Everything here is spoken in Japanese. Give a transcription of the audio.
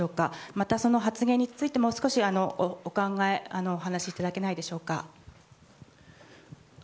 また、その発言についてもお考えをお話しいただけないでしょうか。